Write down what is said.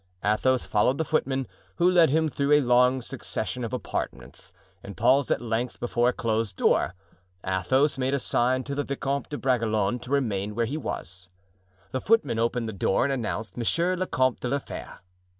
Athos followed the footman, who led him through a long succession of apartments and paused at length before a closed door. Athos made a sign to the Vicomte de Bragelonne to remain where he was. The footman opened the door and announced Monsieur le Comte de la Fere.